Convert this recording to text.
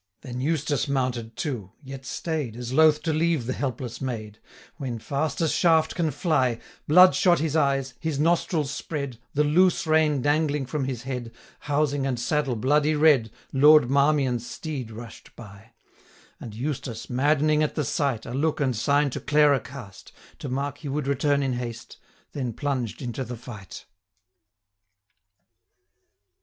Then Eustace mounted too: yet staid, As loath to leave the helpless maid, When, fast as shaft can fly, 835 Blood shot his eyes, his nostrils spread, The loose rein dangling from his head, Housing and saddle bloody red, Lord Marmion's steed rush'd by; And Eustace, maddening at the sight, 840 A look and sign to Clara cast, To mark he would return in haste, Then plunged into the fight.